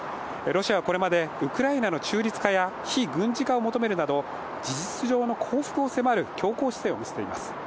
ロシアはこれまでウクライナの中立化や非軍事化を求めるなど、事実上の降伏を迫る強硬姿勢を見せています。